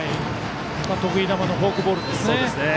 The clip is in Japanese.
得意球のフォークボールですね。